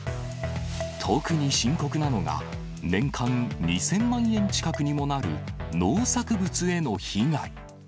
特に深刻なのが、年間２０００万円近くにもなる農作物への被害。